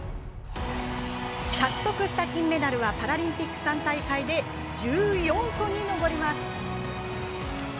獲得した金メダルはパラリンピック３大会で１４個に上ります。